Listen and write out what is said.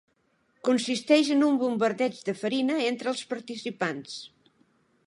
Consisteix en un bombardeig de farina entre els participants.